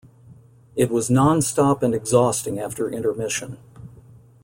It was non-stop and exhausting after intermission.